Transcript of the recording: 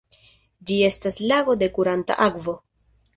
Ĝi estas lago de kuranta akvo.